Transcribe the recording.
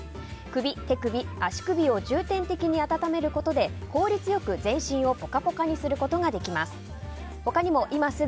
首、手首、足首を重点的に温めることで効率よく全身をポカポカにすることができます。